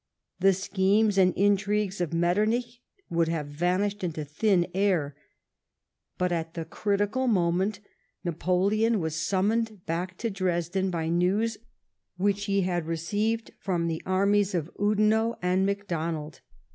The schemes and intrigues of Metternich would have vanished into thin air ; but, at the critical moment, Napoleon was summoned back to Dresden by news which he had received from the armies of Oudiuot and Macdonald.